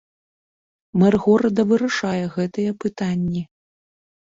Мэр горада вырашае гэтыя пытанні.